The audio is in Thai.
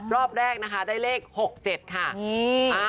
รอบแรกได้เลข๖๗ค่ะ